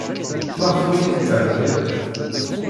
Maɣef ur iyi-tetthenniḍ?